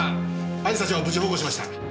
亜里沙ちゃんを無事保護しました。